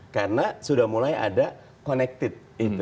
karena sudah mulai ada connected